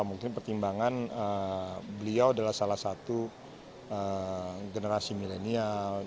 mungkin pertimbangan beliau adalah salah satu generasi milenial